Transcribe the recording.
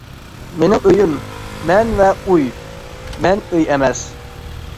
مېنىڭ ئۆيۈم، مەن ۋە ئۇي، مەن ئۆي ئەمەس.